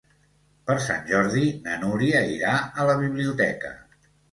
Per Sant Jordi na Núria irà a la biblioteca.